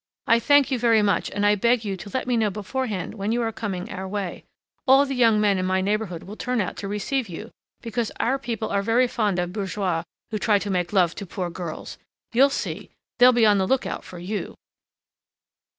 "I thank you very much, and I beg you to let me know beforehand when you are coming our way: all the young men in my neighborhood will turn out to receive you, because our people are very fond of bourgeois who try to make love to poor girls! You'll see, they'll be on the lookout for you!"